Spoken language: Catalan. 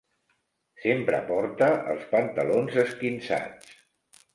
Sempre porta els pantalons esquinçats.